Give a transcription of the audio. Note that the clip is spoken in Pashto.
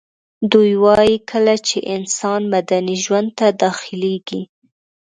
دوی وايي کله چي انسان مدني ژوند ته داخليږي